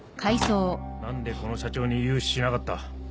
何でこの社長に融資しなかった？